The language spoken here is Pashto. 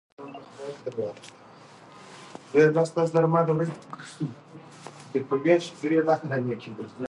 د کروندګرو لپاره ضروري ده چي د اوبو د لګولو عصري طریقې وکاروي.